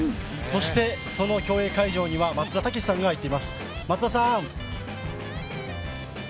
そしてその競泳会場には松田丈志さんが行っています。